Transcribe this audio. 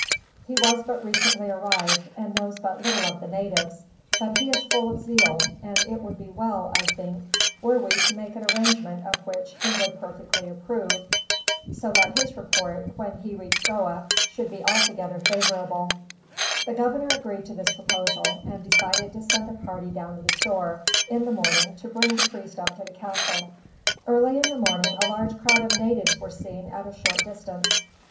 He was but recently arrived, and knows but little of the natives; but he is full of zeal, and it would be well, I think, were we to make an arrangement of which he would perfectly approve; so that his report, when he reached Goa, should be altogether favorable" The governor agreed to this proposal, and decided to send a party down to the shore, in the morning, to bring the priest up to the castle. Early in the morning, a large crowd of natives were seen at a short distance.